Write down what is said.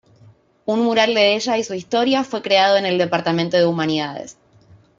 Un mural de ella y su historia fue creado en el Departamento de Humanidades.